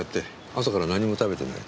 朝から何も食べてない。